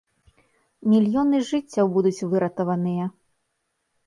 Мільёны жыццяў будуць выратаваныя!